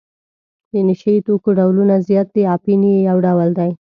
د نشه یي توکو ډولونه زیات دي اپین یې یو ډول دی.